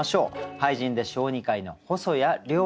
俳人で小児科医の細谷喨々さんです。